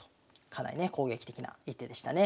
かなりね攻撃的な一手でしたね。